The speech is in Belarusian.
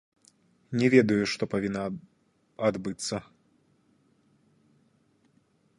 Не ведаю, што павінна адбыцца.